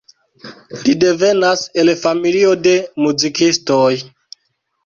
Li devenas el familio de muzikistoj.